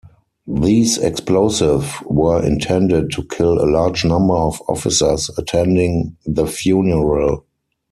These explosives were intended to kill a large number of officers attending the funeral.